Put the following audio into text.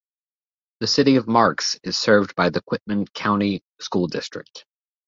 The City of Marks is served by the Quitman County School District.